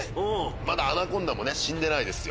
まだアナコンダも死んでない。